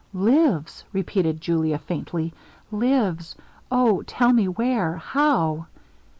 'Lives!' repeated Julia faintly, 'lives, Oh! tell me where how.'